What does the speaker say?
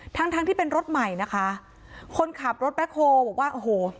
ทั้งทั้งที่เป็นรถใหม่นะคะคนขับรถแบ็คโฮบอกว่าโอ้โห